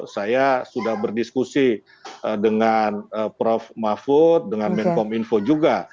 saya sudah berdiskusi dengan prof mahfud dengan kominfo juga